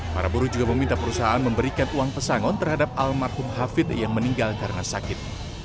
para buruh juga meminta perusahaan memberikan uang pesangon terhadap almarhum hafid yang meninggal karena sakit